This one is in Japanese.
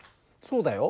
そうだよ。